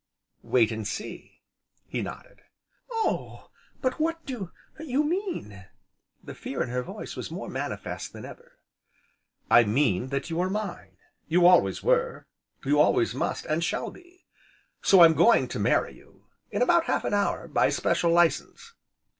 "Wait and see!" he nodded. "Oh! but what do you mean?" The fear in her voice was more manifest than ever. "I mean that you are mine, you always were, you always must and shall be. So, I'm going to marry you in about half an hour, by special license."